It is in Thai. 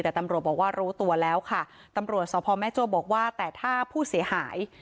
แต่ตำรวจบอกว่ารู้ตัวแล้วค่ะตำรวจสพแม่โจ้บอกว่าแต่ถ้าผู้เสียหาย